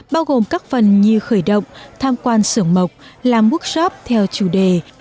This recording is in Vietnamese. bao gồm các phần như khởi động tham quan sưởng mộc làm workshop theo chủ đề